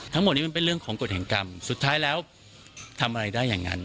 ทั้งหมดนี้มันเป็นเรื่องของกฎแห่งกรรมสุดท้ายแล้วทำอะไรได้อย่างนั้น